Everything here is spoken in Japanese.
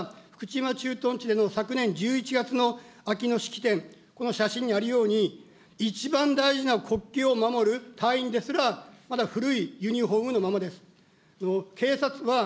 私が連隊長を務めた駐屯地での昨年１１月の秋の式典の写真にあるように、一番大事な国旗を守る隊員ですら、まだ古いユニホームのままです。